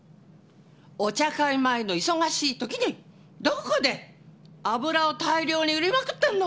お茶会前の忙しい時にどこで油を大量に売りまくってるの！